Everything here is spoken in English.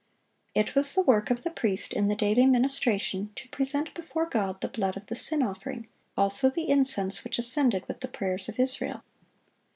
It was the work of the priest in the daily ministration to present before God the blood of the sin offering, also the incense which ascended with the prayers of Israel.